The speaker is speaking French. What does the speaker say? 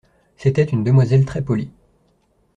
C'était une demoiselle très polie.